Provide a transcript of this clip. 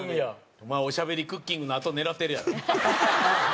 お前『おしゃべりクッキング』のあと狙ってるやろ？